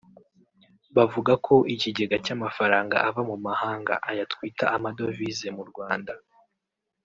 bavuga ko ikigega cy'amafaranga ava mu mahanga(aya twita amadovize mu Rwanda)